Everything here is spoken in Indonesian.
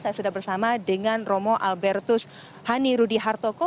saya sudah bersama dengan romo albertus hani rudy hartoko